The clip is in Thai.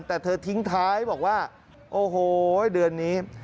แต่เธอทิ้งท้ายบอกว่าโอ้โหเดือนนี้